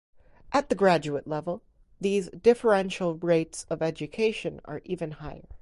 At the graduate level, these differential rates of education are even higher.